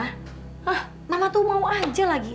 hah nama tuh mau aja lagi